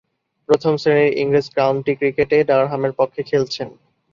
প্রথম-শ্রেণীর ইংরেজ কাউন্টি ক্রিকেটে ডারহামের পক্ষে খেলছেন।